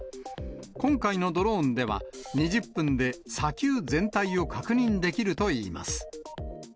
今回のドローンでは、２０分で砂丘全体を確認できるといいます。